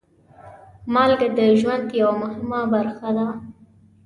مالګه د ژوند یوه مهمه برخه ده.